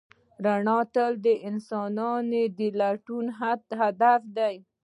رڼا تل د انسان د لټون هدف دی.